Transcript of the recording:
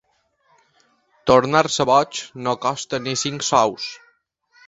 Tornar-se boig no costa ni cinc sous.